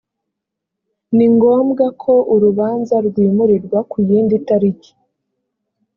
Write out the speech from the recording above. ni ngombwa ko urubanza rwimurirwa ku yindi taliki